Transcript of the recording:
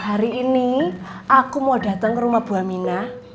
hari ini aku mau datang ke rumah bu amina